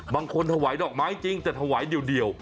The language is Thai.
ถวายดอกไม้จริงแต่ถวายเดียว